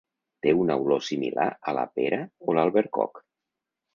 Té una olor similar a la pera o l'albercoc.